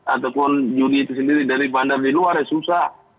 ataupun judi itu sendiri dari bandar di luar ya susah